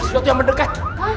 ada sesuatu yang mendekat